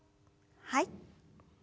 はい。